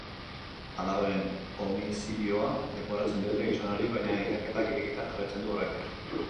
Alabaren homizidioa leporatzen diote gizonari, baina ikerketak irekita jarraitzen du oraindik.